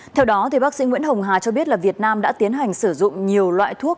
theo đó bác sĩ nguyễn hồng hà cho biết là việt nam đã tiến hành sử dụng nhiều loại thuốc